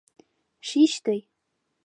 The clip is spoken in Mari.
— Шич тый!..